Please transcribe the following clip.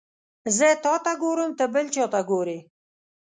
زه تاته ګورم ته بل چاته ګوري